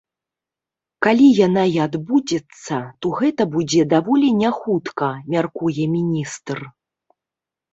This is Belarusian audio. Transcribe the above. Калі яна і адбудзецца, то гэта будзе даволі не хутка, мяркуе міністр.